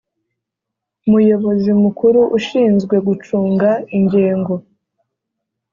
Muyobozi Mukuru ushinzwe gucunga ingengo